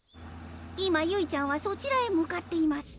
今ゆいちゃんはそちらへ向かっています